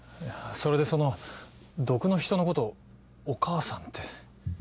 いやそれでその毒の人のことを「お母さん」って。